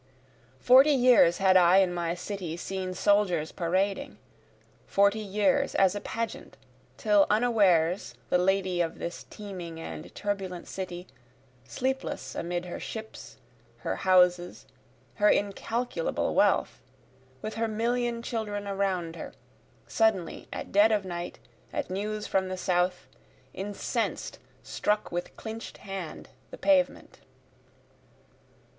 Forty years had I in my city seen soldiers parading, Forty years as a pageant, till unawares the lady of this teeming and turbulent city, Sleepless amid her ships, her houses, her incalculable wealth, With her million children around her, suddenly, At dead of night, at news from the south, Incens'd struck with clinch'd hand the pavement.